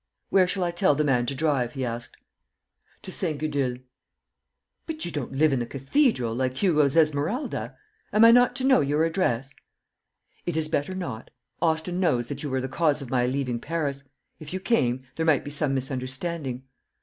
"Where shall I tell the man to drive?" he asked. "To St. Gudule." "But you don't live in the cathedral, like Hugo's Esmeralda. Am I not to know your address?" "It is better not. Austin knows that you were the cause of my leaving Paris. If you came, there might be some misunderstanding."